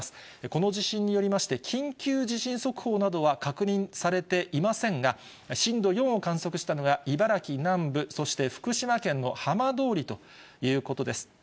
この地震によりまして、緊急地震速報などは確認されていませんが、震度４を観測したのが茨城南部、そして福島県の浜通りということです。